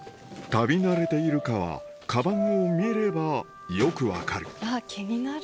旅慣れているかはカバンを見ればよく分かる気になる。